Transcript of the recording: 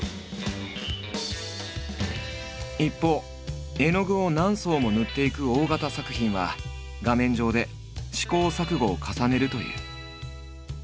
一方絵の具を何層も塗っていく大型作品は画面上で試行錯誤を重ねるという。